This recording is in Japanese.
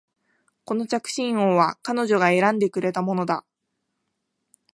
この着信音は彼女が選んでくれたものだ